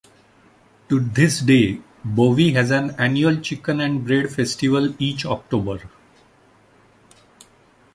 To this day Bowie has an annual Chicken and Bread Festival each October.